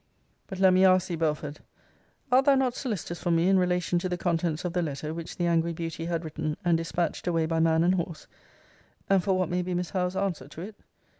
But let me ask thee, Belford, Art thou not solicitous for me in relation to the contents of the letter which the angry beauty had written and dispatched away by man and horse; and for what may be Miss Howe's answer to it?